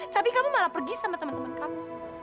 tapi kamu malah pergi sama temen temen kamu